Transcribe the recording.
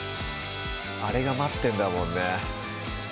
あれが待ってんだもんね